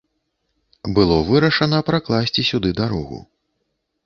Было вырашана пракласці сюды дарогу.